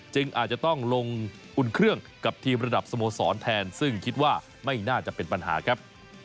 อาจจะต้องลงอุ่นเครื่องกับทีมระดับสโมสรแทนซึ่งคิดว่าไม่น่าจะเป็นปัญหาครับ